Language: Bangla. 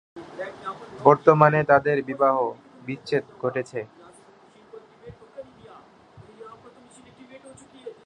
বর্তমানে তাদের বিবাহ বিচ্ছেদ ঘটেছে।